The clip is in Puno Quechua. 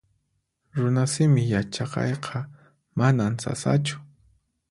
Runasimi yachaqayqa manan sasachu